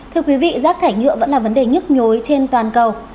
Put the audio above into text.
thưa quý vị rác thải nhựa vẫn là vấn đề nhức nhối trên toàn cầu